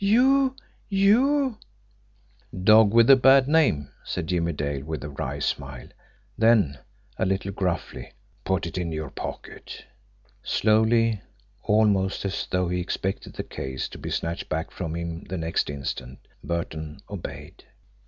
You you " "Dog with a bad name," said Jimmie Dale, with a wry smile; then, a little gruffly: "Put it in your pocket!" Slowly, almost as though he expected the case to be snatched back from him the next instant, Burton obeyed.